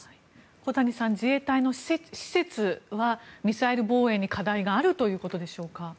小谷さん、自衛隊の施設はミサイル防衛に課題があるということでしょうか。